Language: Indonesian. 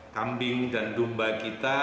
kambing dan dumba kita